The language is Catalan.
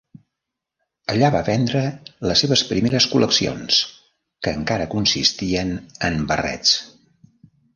Allà va vendre les seves primeres col·leccions, que encara consistien en barrets.